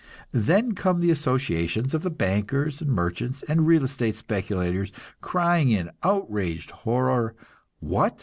Then come the associations of the bankers and merchants and real estate speculators, crying in outraged horror, "What?